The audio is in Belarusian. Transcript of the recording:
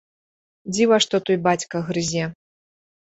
Дзіва што той бацька грызе.